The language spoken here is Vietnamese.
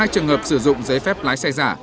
hai trường hợp sử dụng giấy phép lái xe giả